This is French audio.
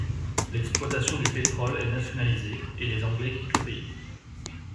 L'exploitation du pétrole est nationalisée et les Anglais quittent le pays.